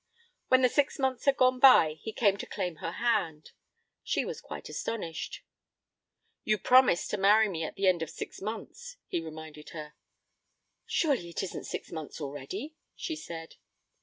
When the six months had gone by, he came to claim her hand. She was quite astonished. 'You promised to marry me at the end of six months,' he reminded her. 'Surely it isn't six months already,' she said.